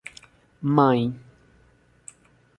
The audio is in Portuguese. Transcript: Mãe